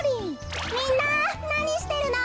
みんななにしてるの？